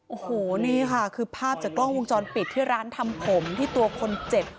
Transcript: โอ้โหนี่ค่ะคือภาพจากกล้องวงจรปิดที่ร้านทำผมที่ตัวคนเจ็บ